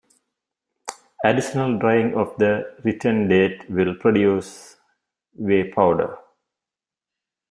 Additional drying of the retentate will produce whey powder.